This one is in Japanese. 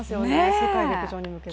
世界陸上に向けて。